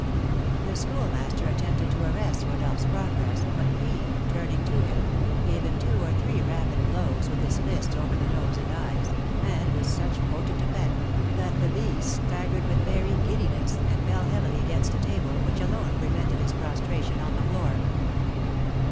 The Schoolmaster attempted to arrest Rodolph's progress, but he, turning to him, gave him two or three rapid blows with his fists over the nose and eyes, and with such potent effect, that the beast staggered with very giddiness, and fell heavily against a table, which alone prevented his prostration on the floor.